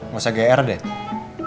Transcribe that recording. gak usah gr dad